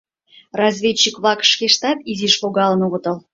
Разведчик-влак шкештат изиш логалын огытыл.